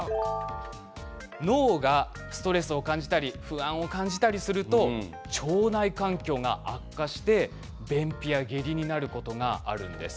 脳がストレスを感じたり不安を感じたりすると腸内環境が悪化して便秘や下痢になることがあるんです。